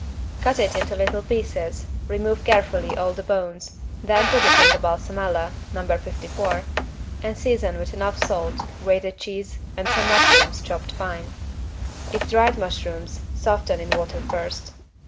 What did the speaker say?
Cut it into little pieces, remove carefully all the bones, then put it in the =balsamella= (No. 54) and season with enough salt, grated cheese and some mushrooms chopped fine. If dried mushrooms soften in water first.